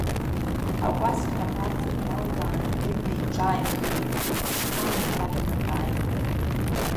Акәасқьа абарҵа дналбаан, дыҩны иҿааихеит Ԥшьҟан-иԥа Данаҟаи.